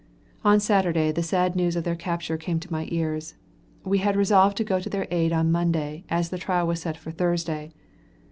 On Saturday the sad news of their capture came to my ears. We had resolved to go to their aid on Monday, as the trial was set for Thursday.